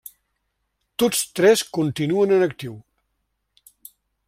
Tots tres continuen en actiu.